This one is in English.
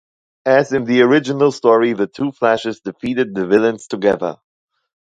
As in the original story, the two Flashes defeated the villains together.